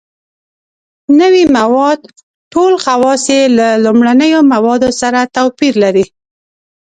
نوي مواد ټول خواص یې له لومړنیو موادو سره توپیر لري.